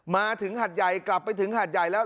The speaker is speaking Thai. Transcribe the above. มาถึงหาดใหญ่กลับไปถึงหาดใหญ่แล้ว